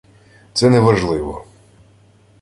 Це не важливо